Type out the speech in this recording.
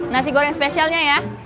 nasi goreng spesialnya ya